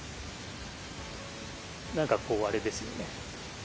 なんかこう、あれですよね。